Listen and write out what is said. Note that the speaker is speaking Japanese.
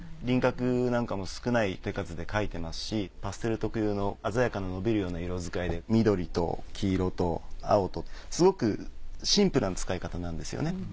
輪郭なんかも少ない手数で描いてますしパステル特有の鮮やかな伸びるような色遣いで緑と黄色と青とすごくシンプルな使い方なんですよね。